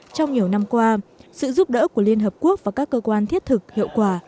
trong nhiều năm qua sự giúp đỡ của liên hợp quốc và các cơ quan thiết thực hiệu quả